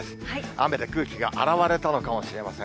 雨で空気が洗われたのかもしれません。